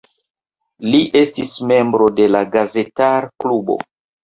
Li estis membro de la Gazetar-klubo.